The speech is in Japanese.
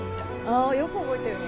あよく覚えてるね。